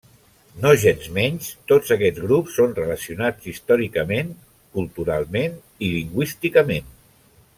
Nogensmenys, tots aquests grups són relacionats històricament, culturalment i lingüísticament.